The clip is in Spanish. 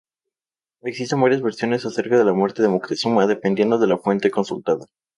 Existen varias versiones acerca de la muerte de Moctezuma, dependiendo de la fuente consultada.